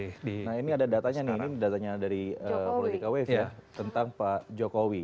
nah ini ada datanya nih ini datanya dari politika wave ya tentang pak jokowi